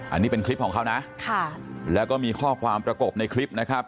อันนี้เป็นคลิปของเขานะค่ะแล้วก็มีข้อความประกบในคลิปนะครับ